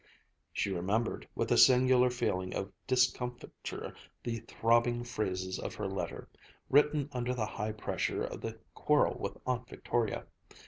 She remembered with a singular feeling of discomfiture the throbbing phrases of her letter, written under the high pressure of the quarrel with Aunt Victoria.